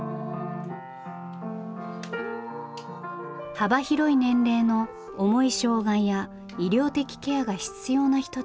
幅広い年齢の重い障害や医療的ケアが必要な人たち。